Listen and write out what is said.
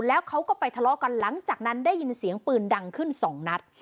แล้วเขาก็ไปทะเลาะกันหลังจากนั้นได้ยินเสียงปืนดังขึ้นสองนัด